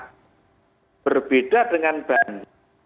kemudian kalau sore menjelang dan kemarin kalau pagi mah surut